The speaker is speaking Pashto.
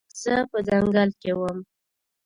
زه په ځنګل کې وم